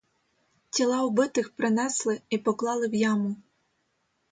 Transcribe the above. Тіла убитих принесли і поклали в яму.